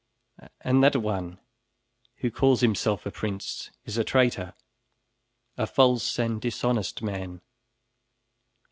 And that one who calls himself a prince, is a traitor; a false and dishonest man."